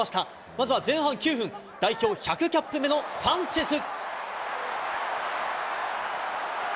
まずは前半９分、代表１００キャップ目のサンチェス。